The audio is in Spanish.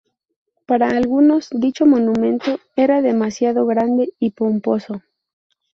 Para algunos, dicho monumento era demasiado grande y pomposo.